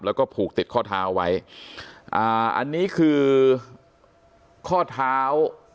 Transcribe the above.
แล้วก็ผูกติดข้อเท้าไว้อ่าอันนี้คือข้อเท้า